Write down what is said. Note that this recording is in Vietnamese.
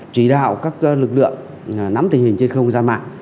chỉ đạo các lực lượng nắm tình hình trên không gian mạng